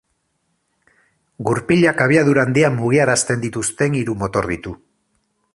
Gurpilak abiadura handian mugiarazten dituzten hiru motor ditu.